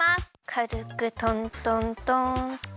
かるくトントントンっと。